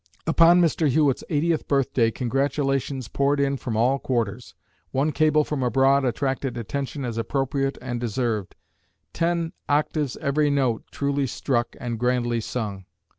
Upon Mr. Hewitt's eightieth birthday congratulations poured in from all quarters. One cable from abroad attracted attention as appropriate and deserved: "Ten octaves every note truly struck and grandly sung."